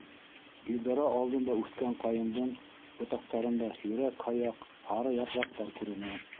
Идара алдында үҫкән ҡайындың ботаҡтарында һирәк-һаяҡ һары япраҡтар күренә.